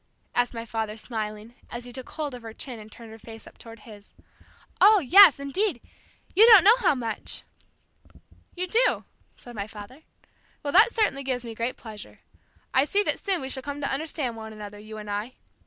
asked my father smiling, as he took hold of her chin and turned her face up toward his. "Oh, yes, indeed; you don't know how much!" "You do?" said my father. "Well, that certainly gives me great pleasure. I see that soon we shall come to understand one another, you and I.